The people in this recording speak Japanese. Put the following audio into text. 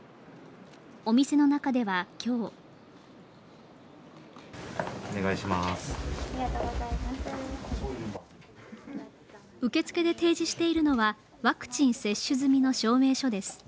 お店の中では今日受付で提示しているのはワクチン接種済みの証明書です。